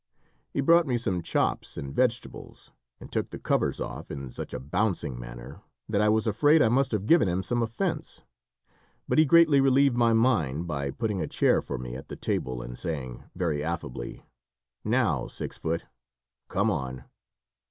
He brought me some chops, and vegetables, and took the covers off in such a bouncing manner that I was afraid I must have given him some offence. But he greatly relieved my mind by putting a chair for me at the table, and saying, very affably: "Now, six foot! come on!"